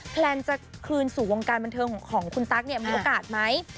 แพลนจะคืนสู่วงการบันเทิงของคุณตั๊กเนี่ยมีโอกาสไหม